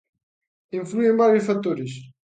Inflúen varios factores.